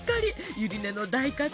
ゆり根の大活躍